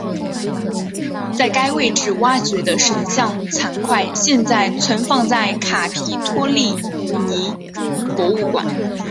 在该位置挖掘的神像残块现在存放在卡皮托利尼博物馆。